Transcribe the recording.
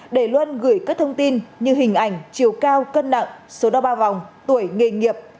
để luôn gửi các thông tin như hình ảnh chiều cao cân nặng số đo ba vòng tuổi nghề nghiệp